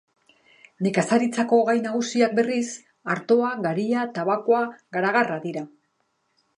Nekazaritzako gai nagusiak, berriz, artoa, garia, tabakoa, garagarra dira.